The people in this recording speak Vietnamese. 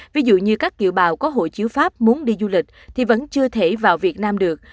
ví dụ như các kiểu bào có hộ chiếu pháp muốn đi du lịch thì vẫn chưa thể vào việt nam được